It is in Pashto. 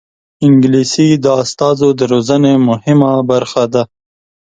انګلیسي د استازو د روزنې مهمه برخه ده